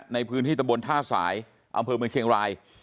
ในพื้นที่ตะบนท่าสายอำเภอเมืองเชียงราย